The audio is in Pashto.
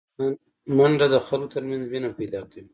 منډه د خلکو ترمنځ مینه پیداکوي